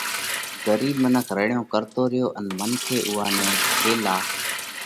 ڳرِيٻ منک رڙيون ڪرتو ريو ان منکي اُوئا نئہ ٺيلا